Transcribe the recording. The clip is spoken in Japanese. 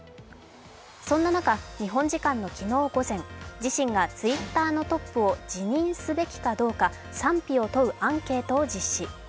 そんな中、日本時間の昨日午前、自身がＴｗｉｔｔｅｒのトップを辞任すべきかどうか賛否を問うアンケートを実施。